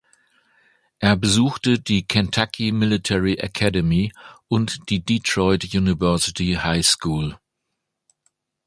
Er besuchte die Kentucky Military Academy und die Detroit University High School.